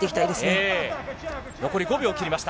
残り５秒切りました。